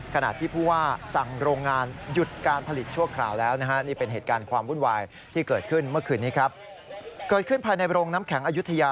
ขณะที่ผู้ว่าสั่งโรงงานหยุดการผลิตชั่วข่าวแล้วนะฮะ